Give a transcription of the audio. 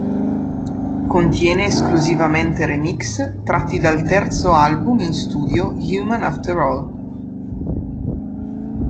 Contiene esclusivamente remix tratti dal terzo album in studio "Human After All".